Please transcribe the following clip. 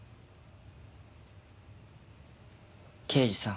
刑事さん。